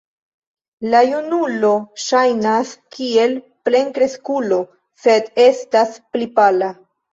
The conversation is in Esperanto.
La junulo ŝajnas kiel plenkreskulo, sed estas pli pala.